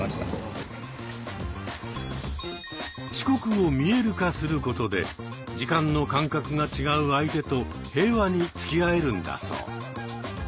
遅刻を見える化することで時間の感覚が違う相手と平和につきあえるんだそう。